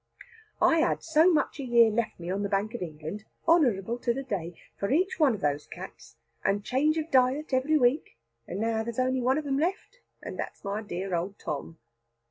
I had so much a year left me on the Bank of England, honourable to the day, for each one of those cats, and change of diet every week, and now there's only one of them left, and that is my dear old Tom."